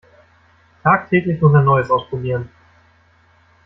Tagtäglich muss er Neues ausprobieren.